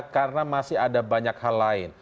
karena masih ada banyak hal lain